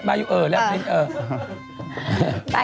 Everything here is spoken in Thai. มายูเออแร็กลิ้นเออ